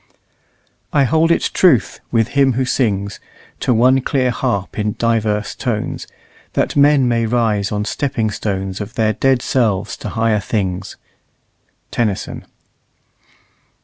"I [hold] it truth, with him who sings, To one clear harp in divers tones, That men may rise on stepping stones Of their dead selves to higher things." TENNYSON.